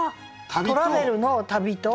トラベルの「旅」と。